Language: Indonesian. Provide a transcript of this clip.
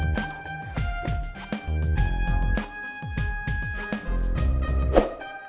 silahkan kob chuan setan allah